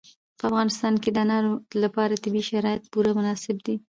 په افغانستان کې د انارو لپاره طبیعي شرایط پوره مناسب دي.